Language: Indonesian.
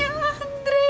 yang kamu bunuh mas